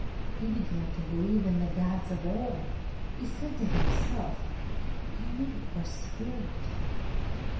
He began to believe in the gods of old. He said to himself, "Maid or spirit?